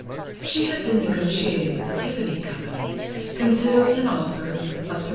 She had been negotiating with the Tiffany Company, considering an offer of $3,500.